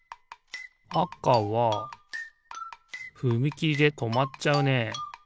あかはふみきりでとまっちゃうね。